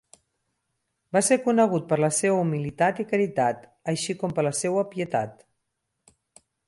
Va ser conegut per la seua humilitat i caritat així com per la seua pietat.